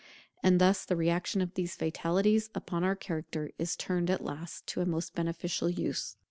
And thus the reaction of these fatalities upon our character is turned at last to a most beneficial use.